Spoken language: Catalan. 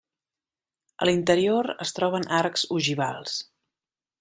A l'interior es troben arcs ogivals.